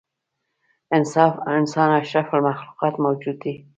انسان اشرف المخلوق موجود دی.